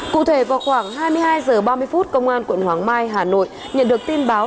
cụ thể vào khoảng hai mươi hai h ba mươi phút công an quận hoàng mai hà nội nhận được tin báo